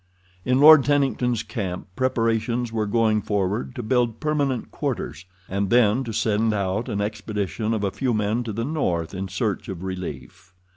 In Lord Tennington's camp preparations were going forward to build permanent quarters, and then to send out an expedition of a few men to the north in search of relief.